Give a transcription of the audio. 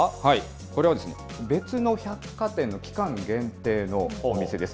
これはですね、別の百貨店の期間限定のお店です。